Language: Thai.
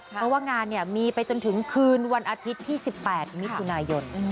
เพราะว่างานมีไปจนถึงคืนวันอาทิตย์ที่๑๘มิถุนายน